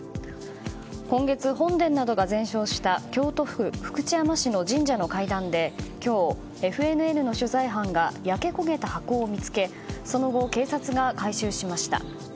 今月、本殿などが全焼した京都府福知山市の神社の階段で今日、ＦＮＮの取材班が焼け焦げた箱を見つけその後、警察が回収しました。